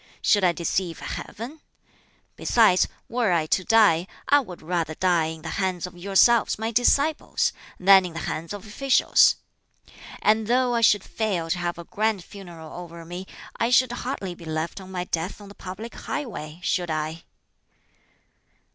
Should I deceive Heaven? Besides, were I to die, I would rather die in the hands of yourselves, my disciples, than in the hands of officials. And though I should fail to have a grand funeral over me, I should hardly be left on my death on the public highway, should I?"